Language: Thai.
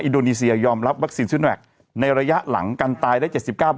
โดนีเซียยอมรับวัคซีนซิโนแวคในระยะหลังการตายได้๗๙